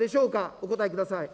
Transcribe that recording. お答えください。